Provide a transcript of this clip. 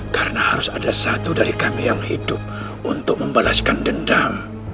karena harus ada satu dari kami yang hidup untuk membalaskan dendam